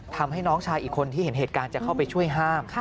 ทำให้น้องชายอีกคนที่เห็นเหตุการณ์จะเข้าไปช่วยห้าม